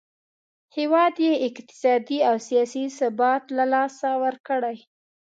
هیواد یې اقتصادي او سیاسي ثبات له لاسه ورکړی.